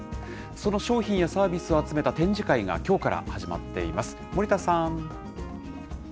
その商品やサービスを集めた展示会が、きょうから始まっています。